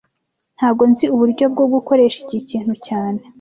Ntago nzi uburyo bwo gukoresha iki kintu cyane